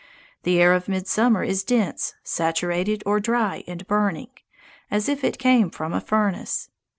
The air of midsummer is dense, saturated, or dry and burning, as if it came from a furnace.